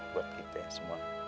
buat kita semua